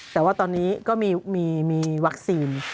แต่ว่าตอนนี้ก็มีวัคซีน